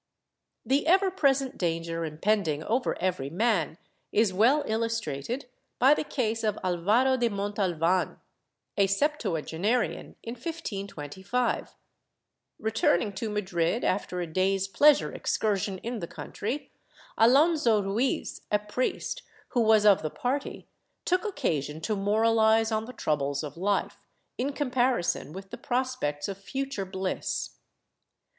The ever present danger impending over every man is well illustrated by the case of Alvaro de Montalvan, a septuagenarian, in 1525. Returning to Madrid, after a day's pleasure excursion in the country, Alonso Ruiz, a priest, who was of the party, took occasion to moraHze on the troubles of life, in comparison with the prospects of future bliss.